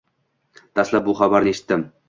Dastlab, bu xabarni eshitdim.